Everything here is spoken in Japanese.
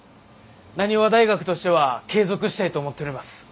浪速大学としては継続したいと思っております。